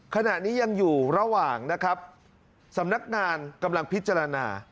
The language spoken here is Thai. ขณะนี้ยังอยู่ระหว่างนะครับสำนักงานกำลังพิจารณา